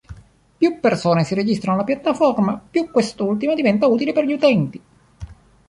Più persone si registrano alla piattaforma, più quest'ultima diventa utile per gli utenti.